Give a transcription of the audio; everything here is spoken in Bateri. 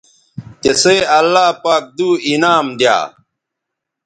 تسئ اللہ پاک دو انعام دی یا